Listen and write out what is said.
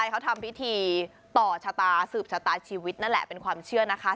เขาทำพิธีต่อชะตาสืบชะตาชีวิตนั่นแหละเป็นความเชื่อนะคะ